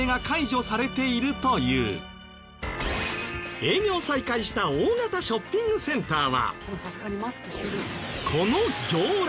営業再開した大型ショッピングセンターはこの行列。